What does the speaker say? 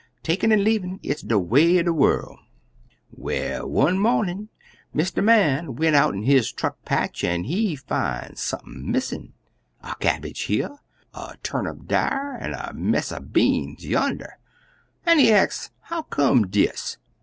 Takin' an' leavin' it's de way er de worl'. "Well, one mornin', Mr. Man went out in his truck patch, an' he fin' sump'n missin' a cabbage here, a turnip dar, an' a mess er beans yander, an' he ax how come dis?